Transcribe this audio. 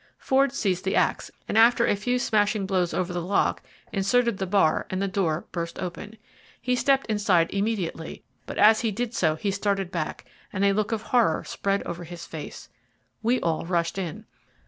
Ford seized the axe, and after a few smashing blows over the lock inserted the bar and the door burst open. He stepped inside immediately, but as he did so he started back and a look of horror spread over his face. We all rushed in.